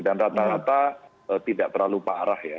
rata rata tidak terlalu parah ya